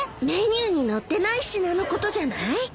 メニューに載ってない品のことじゃない？